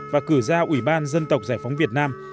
và cử giao ủy ban dân tộc giải phóng việt nam